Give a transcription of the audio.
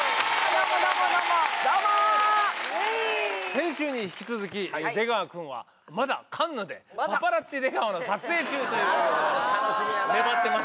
先週に引き続き出川くんはまだカンヌで「パパラッチ出川」の撮影中という。